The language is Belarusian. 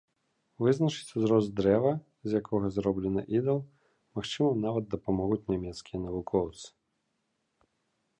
Вызначыць узрост дрэва, з якога зроблены ідал, магчыма, нават дапамогуць нямецкія навукоўцы!